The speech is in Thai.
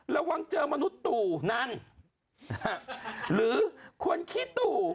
ระวังเจอมนุษย์ตู่นั่นหรือควรขี้ตู่